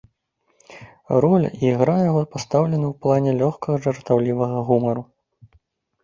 Роля і ігра яго пастаўлены ў плане лёгкага, жартаўлівага гумару.